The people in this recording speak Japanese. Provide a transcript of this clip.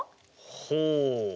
ほう。